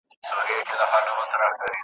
څوک به لیکي پر کیږدیو ترانې د دنګو ښکلیو ,